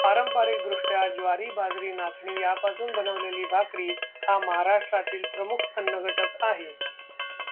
पारंपरिकदृष्ट्या ज्वारी बाजरी नाचणी यांपासून बनवलेली भाकरी हा महाराष्ट्रातील प्रमुख अन्नघटक आहे.